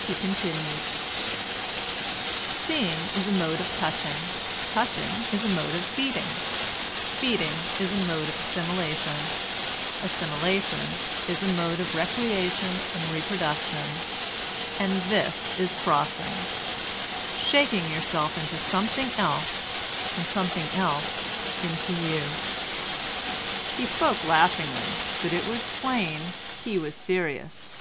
He continued:— "Seeing is a mode of touching, touching is a mode of feeding, feeding is a mode of assimilation, assimilation is a mode of recreation and reproduction, and this is crossing—shaking yourself into something else and something else into you." He spoke laughingly, but it was plain he was serious.